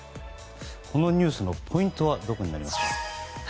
このニュースのポイントはどこにありますか。